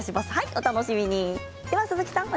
お楽しみに。